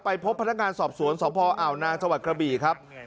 ไปพบพนักงานสอบสวนสออาวนางจกระบีครับ